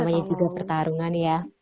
namanya juga pertarungan ya